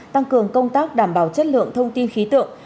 tăng cường công tác đảm bảo chất lượng thông tin khí tượng